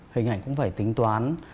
hình ảnh cũng phải tính toán